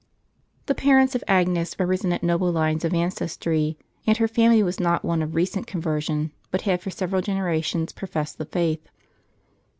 The parents of Agnes represented noble lines of ancestry, and her family was not one of recent conversion, but had for several generations professed the faith.